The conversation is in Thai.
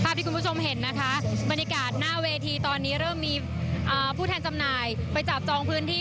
ที่คุณผู้ชมเห็นนะคะบรรยากาศหน้าเวทีตอนนี้เริ่มมีผู้แทนจำหน่ายไปจับจองพื้นที่